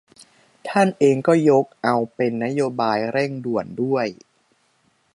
ท่านเองก็ยกเอามาเป็นนโยบายเร่งด่วนด้วย